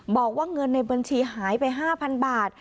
บอกว่าเงินในบัญชีหายไป๕๐๐บาท